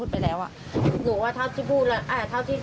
แบบว่าอาจจะแบบเพราะแล้วเขาอาจจะมีตัดเสียง